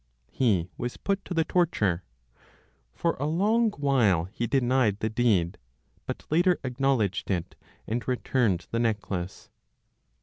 He was put to the torture. For a long while, he denied the deed; but later acknowledged it, and returned the necklace.